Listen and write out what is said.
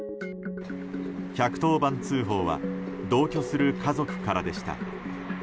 １１０番通報は同居する家族からでした。